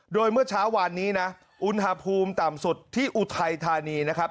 โดยเมื่อเช้าวานนี้นะอุณหภูมิต่ำสุดที่อุทัยธานีนะครับ